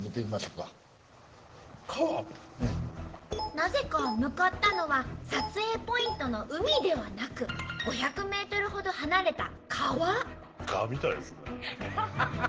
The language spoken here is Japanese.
なぜか向かったのは撮影ポイントの海ではなく５００ｍほど離れた川。